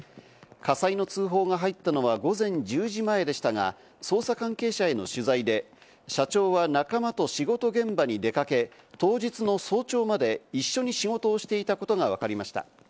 火災の通報が入ったのは午前１０時前でしたが、捜査関係者への取材で、社長は仲間と仕事現場に出かけ、当日の早朝まで一緒に仕事をしていたことがわかりました。